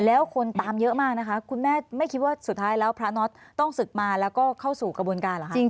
แล้วคนตามเยอะมากนะคะคุณแม่ไม่คิดว่าสุดท้ายแล้วพระน็อตต้องศึกมาแล้วก็เข้าสู่กระบวนการเหรอคะ